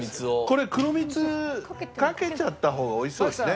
これ黒蜜かけちゃった方が美味しそうですね。